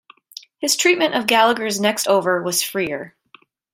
His treatment of Gallagher's next over was freer.